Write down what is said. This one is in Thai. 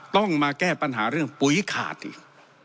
ต้องมาแก้ปัญหาเรื่องปุ๋ยขาดอีก